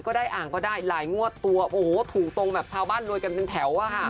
ก็ได้หลายงวดตัวถูกตรงแบบชาวบ้านรวยกันเป็นแถว